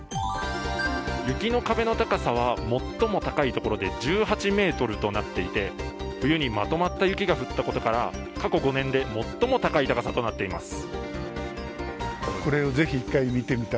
雪の壁の高さは最も高いところで１８ｍとなっていて、冬にまとまった雪が降ったことから過去５年で最も高い高さとなっています。